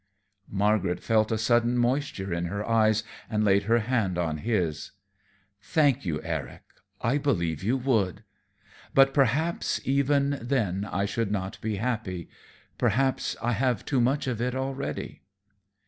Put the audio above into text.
Margaret felt a sudden moisture in her eyes, and laid her hand on his. "Thank you, Eric; I believe you would. But perhaps even then I should not be happy. Perhaps I have too much of it already."